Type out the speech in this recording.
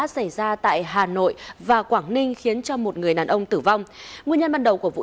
xin chào và hẹn gặp lại